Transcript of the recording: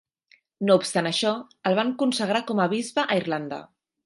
No obstant això, el van consagrar com a bisbe a Irlanda.